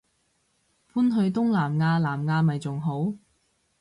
搬去東南亞南亞咪仲好